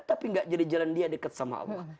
tapi gak jadi jalan dia dekat sama allah